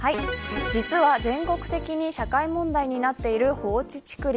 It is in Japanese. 実は全国的に社会問題になっている放置竹林。